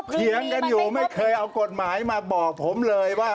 เถียงกันอยู่ไม่เคยเอากฎหมายมาบอกผมเลยว่า